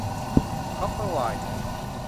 คอปเปอร์ ไวร์ด